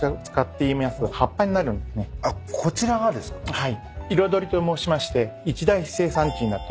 はい。